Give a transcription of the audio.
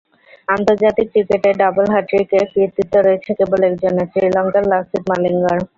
আন্তর্জাতিক ক্রিকেটে ডাবল হ্যাটট্রিকের কৃতিত্ব রয়েছে কেবল একজনের— শ্রীলঙ্কার লাসিথ মালিঙ্গার।